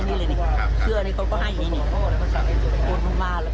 คุณยายไม่ได้เอาไฟหมดเลยค่ะ